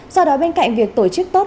do đó bên cạnh việc tổ chức tốt